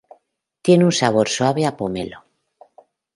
Tiene un sabor suave a pomelo.